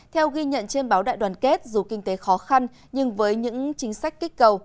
theo ghi nhận trên báo đại đoàn kết dù kinh tế khó khăn nhưng với những chính sách kích cầu